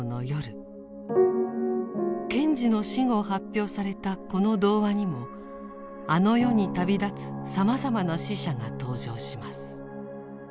賢治の死後発表されたこの童話にもあの世に旅立つさまざまな死者が登場します。